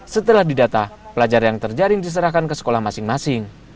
setelah didata pelajar yang terjaring diserahkan ke sekolah masing masing